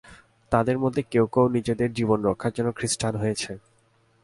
তাদের মধ্যে কেউ কেউ নিজেদের জীবন-রক্ষার জন্য খ্রীষ্টান হয়েছে।